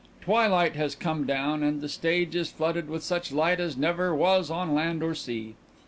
_) _Twilight has come down and the stage is flooded with such light as never was on land or sea.